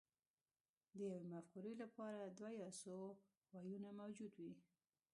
د یوې مفکورې لپاره دوه یا څو ویونه موجود وي